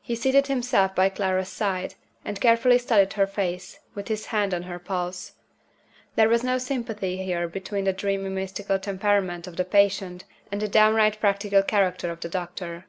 He seated himself by Clara's side, and carefully studied her face, with his hand on her pulse. There was no sympathy here between the dreamy mystical temperament of the patient and the downright practical character of the doctor.